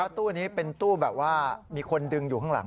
ตู้นี้เป็นตู้แบบว่ามีคนดึงอยู่ข้างหลัง